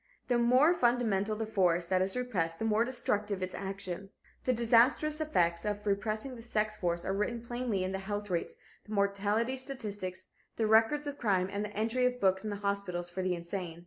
The more fundamental the force that is repressed the more destructive its action. The disastrous effects of repressing the sex force are written plainly in the health rates, the mortality statistics, the records of crime and the entry books of the hospitals for the insane.